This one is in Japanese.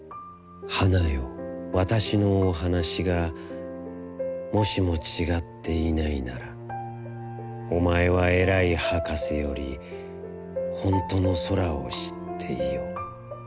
花よ、わたしのおはなしが、もしもちがっていないなら、おまえはえらいはかせより、ほんとの空を知っていよ。